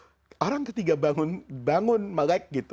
nah dulu orang ketiga bangun itu kan tidak ada tempatnya khusus gitu